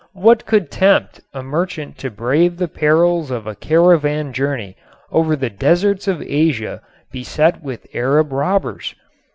What could tempt a merchant to brave the perils of a caravan journey over the deserts of Asia beset with Arab robbers?